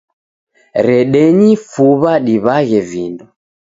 Redenyi fuw'a diw'aghe vindo.